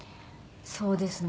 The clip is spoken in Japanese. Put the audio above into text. そうですね。